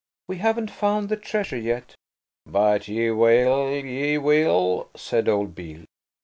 "We haven't found the treasure yet." "But ye will, ye will," said old Beale.